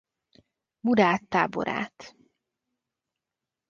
Murád táborát.